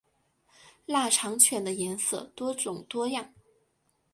腊肠犬的颜色多种多样。